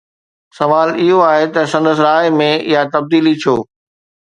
سوال اهو آهي ته سندس راءِ ۾ اها تبديلي ڇو؟